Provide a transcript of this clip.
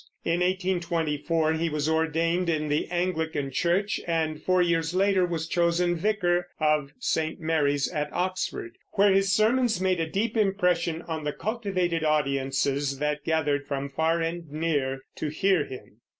In 1824 he was ordained in the Anglican church, and four years later was chosen vicar of St. Mary's, at Oxford, where his sermons made a deep impression on the cultivated audiences that gathered from far and near to hear him.